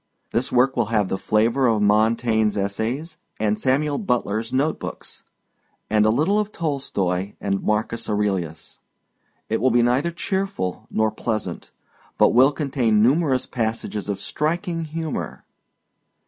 This work will have the flavor of Montaigne's essays and Samuel Butler's note books and a little of Tolstoi and Marcus Aurelius. It will be neither cheerful nor pleasant but will contain numerous passages of striking humor.